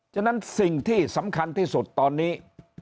ฉะนั้นสิ่งที่สำคัญที่สุดตอนนี้